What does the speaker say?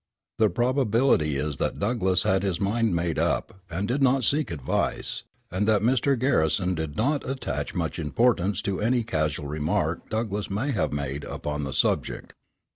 The probability is that Douglass had his mind made up, and did not seek advice, and that Mr. Garrison did not attach much importance to any casual remark Douglass may have made upon the subject.